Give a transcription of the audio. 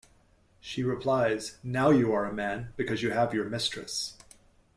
She replies, Now you are a man because you have your mistress...